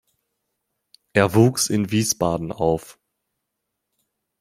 Er wuchs in Wiesbaden auf.